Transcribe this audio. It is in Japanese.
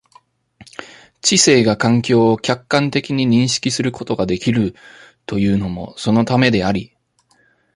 知性が環境を客観的に認識することができるというのもそのためであり、